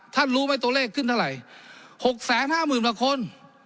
ท่านรู้ไหมตัวเลขขึ้นเท่าไหร่๖๕๐๐๐๐บาทคน